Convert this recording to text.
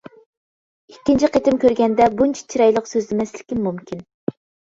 ئىككىنچى قېتىم كۆرگەندە بۇنچە چىرايلىق سۆزلىمەسلىكىم مۇمكىن.